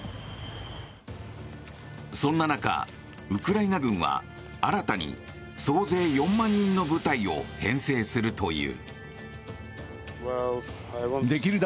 そんな中、ウクライナ軍は新たに総勢４万人の部隊を編成するという。